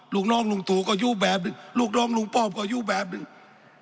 ลูกน้องลุงตู่ก็อยู่แบบหนึ่งลูกน้องลุงป้อมก็อยู่แบบหนึ่ง